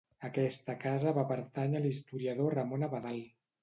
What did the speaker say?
Aquesta casa va pertànyer a l'historiador Ramon Abadal.